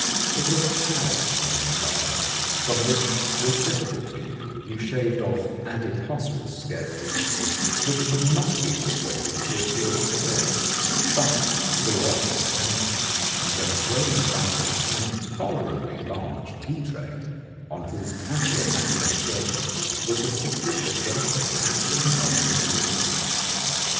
It was a pallid kind of butter, from which with difficulty you shaved off adipocerous scales, which would not be persuaded to adhere to the bread, but flew off at tangents and went rolling about an intolerably large tea tray on whose papier mâché surface was depicted the death of Captain Hedley Vicars.